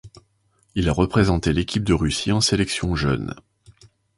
Il a représenté l'Équipe de Russie en sélections jeunes.